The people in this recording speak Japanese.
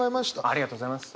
ありがとうございます。